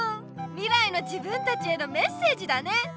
みらいの自分たちへのメッセージだね。